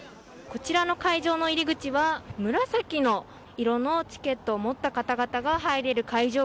こちらの会場の入り口は紫の色のチケットを持った方々が入れる会場